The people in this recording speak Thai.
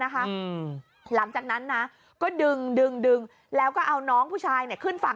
หลังจากนั้นนะก็ดึงแล้วก็เอาน้องผู้ชายขึ้นฝั่ง